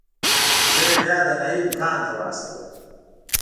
زه يې بيا د نايي دوکان ته واستولم.